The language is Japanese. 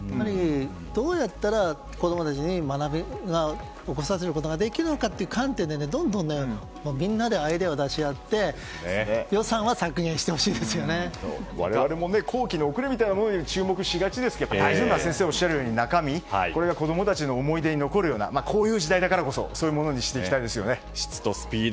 どうやったら子供たちに学びを起こさせることができるのかという観点でどんどんみんなでアイデアを出し合って我々も工期の遅れみたいなものに注目しがちですけど、大事なのは先生がおっしゃるような中身で、これが子供たちの思い出に残るようなこういう時代だからこそそういうものに質とスピード